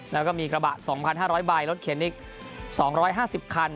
แล้วก็มีกระบะ๒๕๐๐ใบรถเข็นอีก๒๕๐คัน